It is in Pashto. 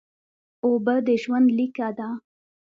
اوبه د ژوند لیکه ده